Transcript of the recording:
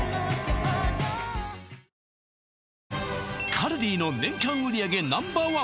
カルディの年間売り上げＮｏ．１